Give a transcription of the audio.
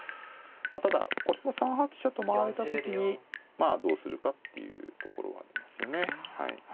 ただこれは３八飛車と回られた時にまあどうするかっていうところがありますよね。